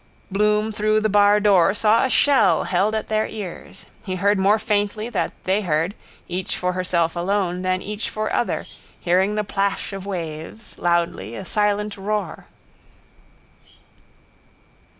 Bloom through the bardoor saw a shell held at their ears. He heard more faintly that that they heard, each for herself alone, then each for other, hearing the plash of waves, loudly, a silent roar.